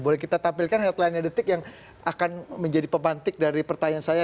boleh kita tampilkan headlinenya detik yang akan menjadi pepantik dari pertanyaan saya